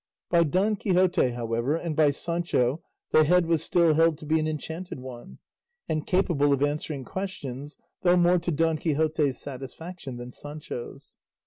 By Don Quixote, however, and by Sancho the head was still held to be an enchanted one, and capable of answering questions, though more to Don Quixote's satisfaction than Sancho's.